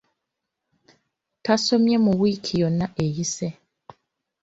Tasomye mu wiiki yonna eyise.